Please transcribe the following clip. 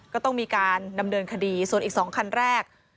ก็ต้องมีการดำเนินคดีส่วนอีก๒คันแรก